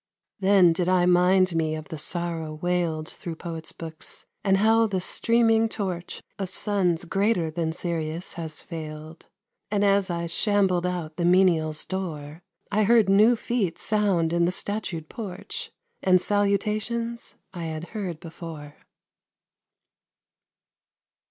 Then did I mind me of the sorrow wailed Thro' poets' books, and how the streaming torch Of suns greater than Sirius has failed, And as I shambled out the menial's door I heard new feet sound in the statued porch And salutations I had heard before.